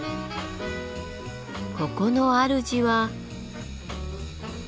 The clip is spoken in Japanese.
ここのあるじは。